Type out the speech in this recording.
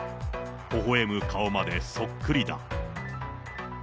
ほほえむ顔までそっくりだ。